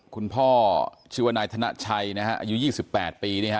คุณพ่อชีวนายธนชัยนะฮะอายุ๒๘ปีเนี่ยฮะ